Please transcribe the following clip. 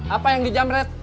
apa yang di jamret